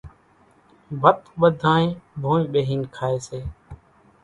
ڀت ٻڌانئين ڀونئين ٻيۿين کائي سي۔